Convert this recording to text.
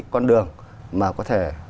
con đường mà có thể